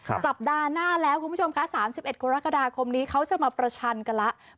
ครับสัปดาห์หน้าแล้วคุณผู้ชมคะสามสิบเอ็ดกรกฎาคมนี้เขาจะมาประชันกันแล้ว